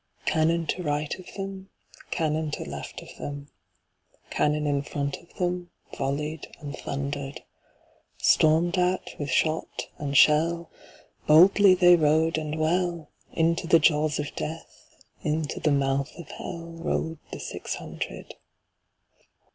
Cannon to right of them, Cannon to left of them, Cannon in front of themVolley'd and thunder'd; Storm'd at with shot and shell, Boldly they rode and well, Into the jaws of Death, Into the mouth of HellRode the six hundred.